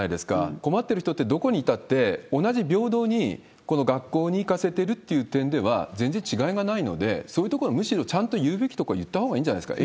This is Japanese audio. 困ってる人って、どこにいたって、同じ平等にこの学校に行かせてるっていう点では、全然違いがないので、そういうところはむしろちゃんと言うべきところは言ったほうがいいんじゃないですか？